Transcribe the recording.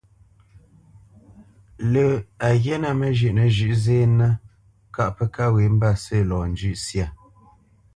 Lâ a ghíínə̂ məzhʉ́ʼnə zhʉ̌ʼ zénə́ kâʼ pə́ kâ wě mbâsə̂ lɔ njʉ̂ʼ syâ.